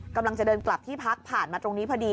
กำลังจะเดินกลับที่พักผ่านมาตรงนี้พอดี